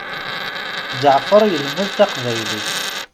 Ǧeɛfer yelmed taqbaylit.